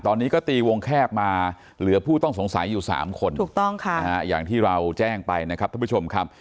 ตอนนี้ก็ตีวงแคบมาเหลือผู้ต้องสงสัยอยู่๓คนถูกต้องค่ะนะฮะอย่างที่เราแจ้งไปนะครับท่านผู้ชมครับ